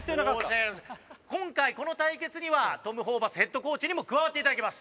今回この対決にはトム・ホーバスヘッドコーチにも加わっていただきます。